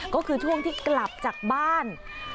ก็คือช่วงที่กลับจากบ้าน